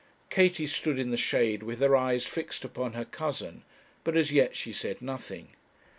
Katie stood in the shade with her eyes fixed upon her cousin, but as yet she said nothing.